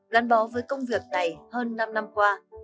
gắn bó với công việc này hơn năm năm qua